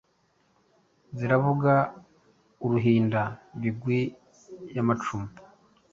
Ziravuga uruhinda bigwig yamacumu